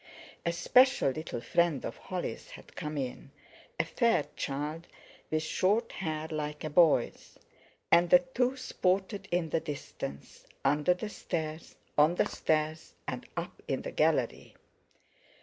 A special little friend of Holly's had come in—a fair child with short hair like a boy's. And the two sported in the distance, under the stairs, on the stairs, and up in the gallery.